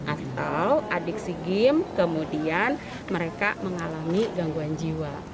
atau adik sigim kemudian mereka mengalami gangguan jiwa